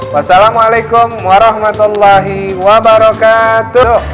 wassalamualaikum warahmatullahi wabarakatuh